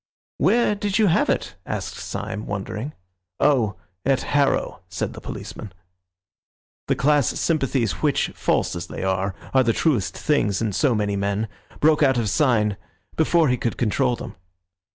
"Where did you have it?" asked Syme, wondering. "Oh, at Harrow," said the policeman The class sympathies which, false as they are, are the truest things in so many men, broke out of Syme before he could control them.